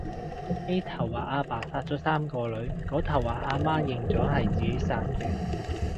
呢頭話個阿爸殺咗三個女，嗰頭話個阿媽認咗係自己殺嘅